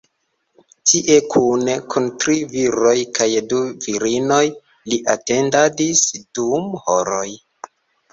Tie, kune kun tri viroj kaj du virinoj, li atendadis dum horoj.